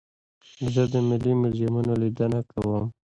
زه د ملي موزیمونو لیدنه کوم.